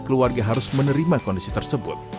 keluarga harus menerima kondisi tersebut